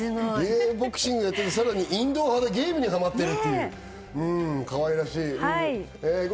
ボクシングをやってるけど、さらにインドア派でゲームにはまっているという、可愛らしい。